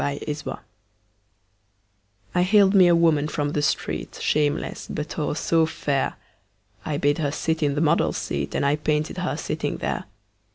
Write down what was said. My Madonna I haled me a woman from the street, Shameless, but, oh, so fair! I bade her sit in the model's seat And I painted her sitting there.